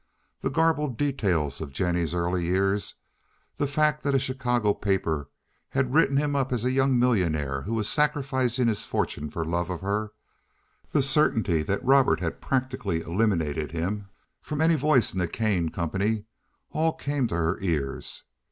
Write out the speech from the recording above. The garbled details of Jennie's early years, the fact that a Chicago paper had written him up as a young millionaire who was sacrificing his fortune for love of her, the certainty that Robert had practically eliminated him from any voice in the Kane Company, all came to her ears.